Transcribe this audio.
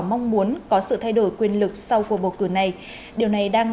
mong muốn có sự thay đổi quyền lực sau cuộc bầu cử này điều này đang